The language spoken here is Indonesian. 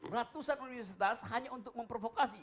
ratusan universitas hanya untuk memprovokasi